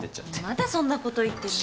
まだそんなこと言ってる。